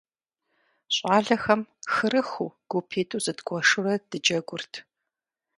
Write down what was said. ЩӀалэхэм хырыхыу гупитӀу зыдгуэшурэ дыджэгурт.